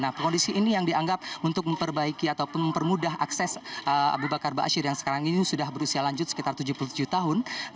nah kondisi ini yang dianggap untuk memperbaiki atau mempermudah akses aba bakar aba asyir yang sekarang ini sudah berusia lanjut sekitar tujuh puluh tahun